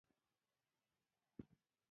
کاشکې چې کولی مې شوای